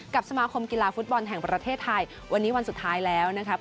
สมาคมกีฬาฟุตบอลแห่งประเทศไทยวันนี้วันสุดท้ายแล้วนะครับ